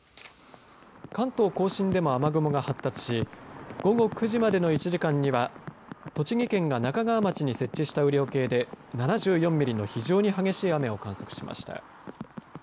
関東甲信でも雨雲が発達し午後９時までの１時間には栃木県が那珂川町に設置した雨量計で７４ミリの非常に激しい雨を観測しました。